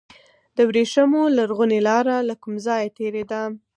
د وریښمو لرغونې لاره له کوم ځای تیریده؟